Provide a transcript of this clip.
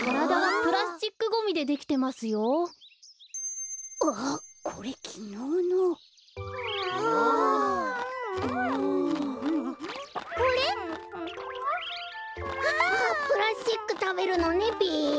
プラスチックたべるのねべ。